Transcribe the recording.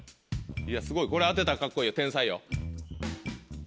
すごいこれ当てたらカッコいいよ天才よ。